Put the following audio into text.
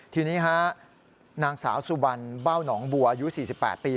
ทีนี้ฮะนางสาวสุบันเบ้าหนองบัวอายุ๔๘ปี